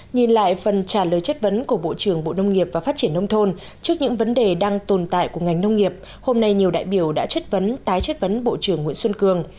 nhìn lại phần trả lời chất vấn của bộ trưởng bộ nông nghiệp và phát triển nông thôn trước những vấn đề đang tồn tại của ngành nông nghiệp hôm nay nhiều đại biểu đã chất vấn tái chất vấn bộ trưởng nguyễn xuân cường